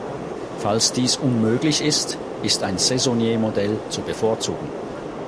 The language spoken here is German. Falls dies unmöglich ist, ist ein Saisoniermodell zu bevorzugen.